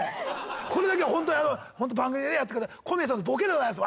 これだけはほんとにあの番組でやって小宮さんのボケでございます。